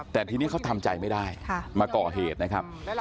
แต่ทีนี้เขาทำใจไม่ได้มาก่อเหตุนะครับ